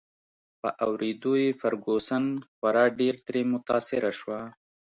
په اوریدو یې فرګوسن خورا ډېر ترې متاثره شوه.